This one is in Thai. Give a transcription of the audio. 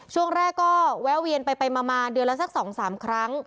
ช่วงแรกก็แวะเวียนไปมาเดือนละสัก๒๓ครั้ง